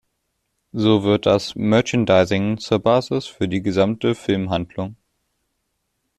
So wird das Merchandising zur Basis für die gesamte Filmhandlung.